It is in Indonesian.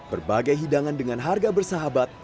berbagai hidangan dengan harga bersahabat